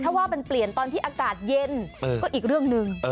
ถ้าว่ามันเปลี่ยนตอนที่อากาศเย็นก็อีกเรื่องหนึ่ง